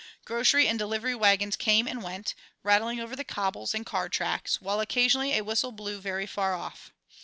Grocery and delivery wagons came and went, rattling over the cobbles and car tracks, while occasionally a whistle blew very far off.